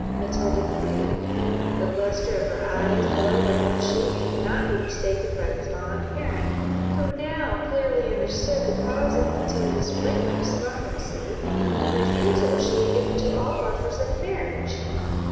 Matilda breathed; the lustre of her eye, the glow on her cheek, could not be mistaken by the fond parent, who now clearly understood the cause of Matilda's frequent despondency, and the refusals she had given to all offers of marriage.